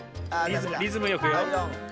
リズムよくよ。